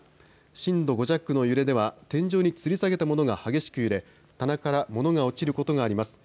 震度５弱の揺れでは天井につり下げたものが激しく揺れ棚から物が落ちることがあります。